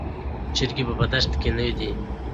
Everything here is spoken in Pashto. چرګې په دښت کې نه دي.